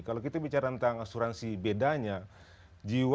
ketika ada masalah di asuransi umum dikiranya jiwa